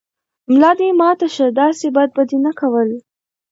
ملا دې ماته شۀ، داسې بد به دې نه کول